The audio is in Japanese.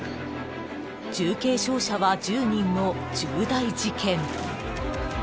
［重軽傷者は１０人の重大事件］